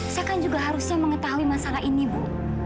saya kan juga harusnya mengetahui masalah ini bu